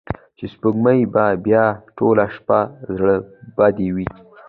چې سپۍ به بیا ټوله شپه زړه بدې وي.